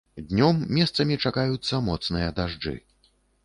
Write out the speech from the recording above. Днём месцамі чакаюцца моцныя дажджы.